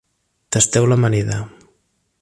Tasteu l'amanida.